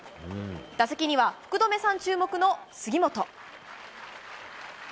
打席には、福留さん注目の杉本。